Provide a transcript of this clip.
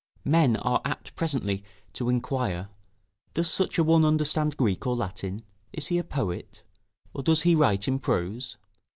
Men are apt presently to inquire, does such a one understand Greek or Latin? Is he a poet? or does he write in prose?